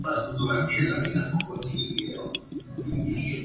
Estos representan áreas específicas cubiertas por el primer nivel de disciplina.